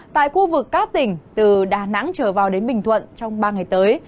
tại khu vực các tỉnh từ đà nẵng trở vào đến bình thuận trong ba ngày tới